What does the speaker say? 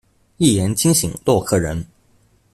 一言驚醒洛克人